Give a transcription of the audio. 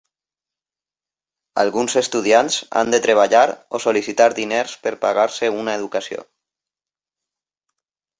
Alguns estudiants han de treballar o sol·licitar diners per pagar-se una educació.